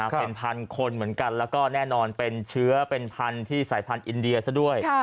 เป็นพันคนเหมือนกันแล้วก็แน่นอนเป็นเชื้อเป็นพันธุ์ที่สายพันธุ์อินเดียซะด้วย